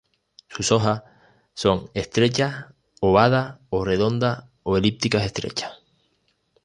Sus hojas son estrechas-ovadas o redondas o elípticas-estrechas.